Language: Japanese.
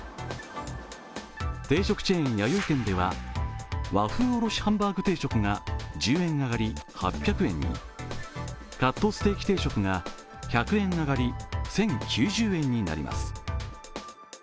定食チェーン・やよい軒では和風おろしハンバーグ定食が１０円上がり８００円にカットステーキ定食が１００円上がり１０９０円になります。